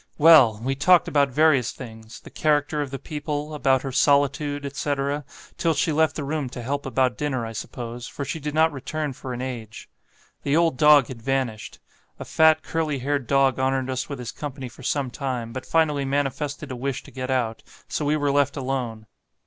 Well! we talked about various things; the character of the people, about her solitude, etc., till she left the room to help about dinner, I suppose, for she did not return for an age. The old dog had vanished; a fat curly haired dog honoured us with his company for some time, but finally manifested a wish to get out, so we were left alone.